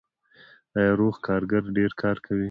آیا روغ کارګر ډیر کار کوي؟